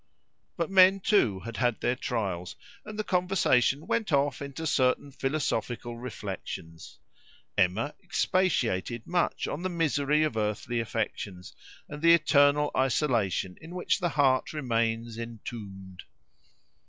But men too had had their trials, and the conversation went off into certain philosophical reflections. Emma expatiated much on the misery of earthly affections, and the eternal isolation in which the heart remains entombed.